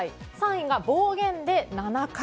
３位が暴言で７回。